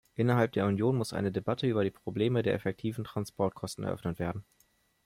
Innerhalb der Union muss eine Debatte über die Probleme der effektiven Transportkosten eröffnet werden.